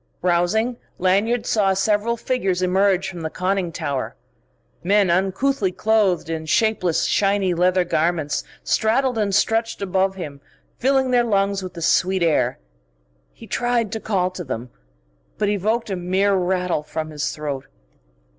Rousing, Lanyard saw several figures emerge from the conning tower. Men uncouthly clothed in shapeless, shiny leather garments, straddled and stretched above him, filling their lungs with the sweet air. He tried to call to them, but evoked a mere rattle from his throat.